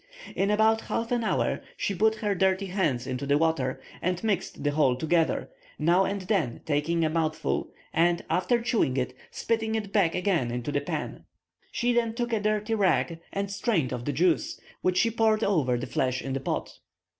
In about half an hour she put her dirty hands into the water, and mixed the whole together, now and then taking a mouthful, and, after chewing it, spitting it back again into the pan. She then took a dirty rag, and strained off the juice, which she poured over the flesh in the pot.